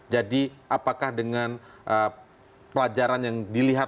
jadi apakah dengan pelajaran yang dilihat